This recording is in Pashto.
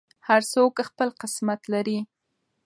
هر څوک خپل قسمت لري.